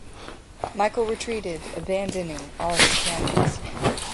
Michael retreated, abandoning all his cannons.